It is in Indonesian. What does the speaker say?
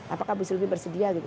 apakah bu sylvi bersedia gitu